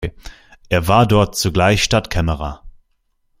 Er war dort zugleich Stadtkämmerer.